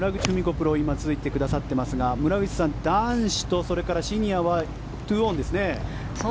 プロが今、ついてくださっていますが村口さん男子とそれからシニアはそうですね。